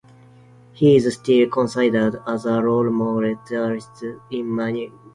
He is still considered as a role model journalist in Myanmar.